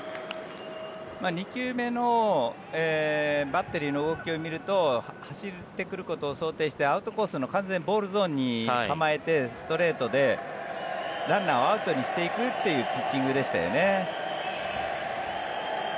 ２球目のバッテリーの動きを見ると走ってくることを想定してアウトコースの完全にボールゾーンに構えてストレートでランナーをアウトにしていくというピッチングでしたよね。